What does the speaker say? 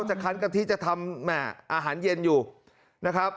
คันกะทิจะทำอาหารเย็นอยู่นะครับ